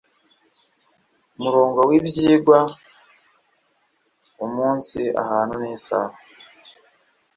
Murongo w ibyigwa umunsi ahantu n isaha